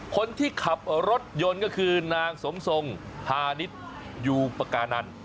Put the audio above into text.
คนที่ขับรถยนต์ก็คือนางสมทรงพาณิชยูปกานัน